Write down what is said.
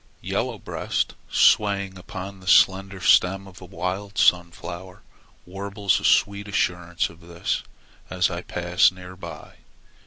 Yellow Breast, swaying upon the slender stem of a wild sunflower, warbles a sweet assurance of this as I pass near by.